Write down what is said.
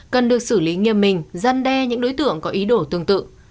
cần được xử lý nghiêm minh dăn đe những đối tượng có ý đổ tương tự